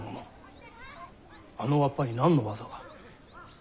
あのわっぱに何の技が？